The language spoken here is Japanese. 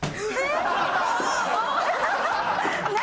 何？